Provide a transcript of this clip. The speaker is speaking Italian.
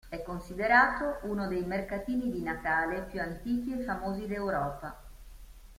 È considerato uno dei mercatini di Natale più antichi e famosi d'Europa.